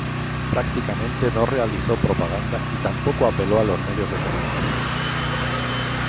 Prácticamente no realizó propaganda y tampoco apeló a los medios de comunicación.